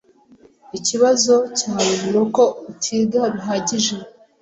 Ikibazo cyawe nuko utiga bihagije.